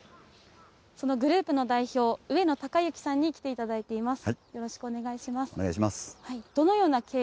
そのグループの代表、上野敬幸さんに来ていただいています。